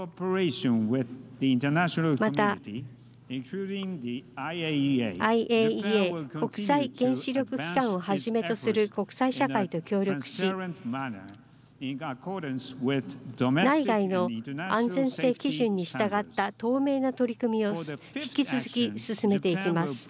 また、ＩＡＥＡ国際原子力機関をはじめとする国際社会と協力し内外の安全性基準に従った透明な取り組みを引き続き進めていきます。